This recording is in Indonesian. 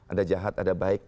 ada jahat ada baik